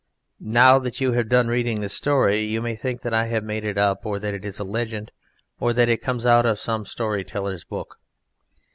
Now that you have done reading this story you may think that I have made it up or that it is a legend or that it comes out of some storyteller's book.